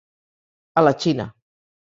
A la Xina.